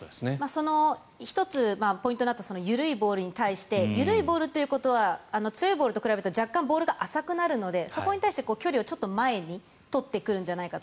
１つ、ポイントになった緩いボールに対して緩いボールということは強いボールと比べると若干ボールが浅くなるのでそこに対して距離をちょっと前に取ってくるんじゃないかと。